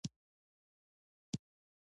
په کټ کې پروت وم او اخبارونه مې مخې ته ونیول.